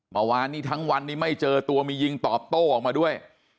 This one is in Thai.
เมื่อวานนี้ทั้งวันนี้ไม่เจอตัวมียิงตอบโต้ออกมาด้วย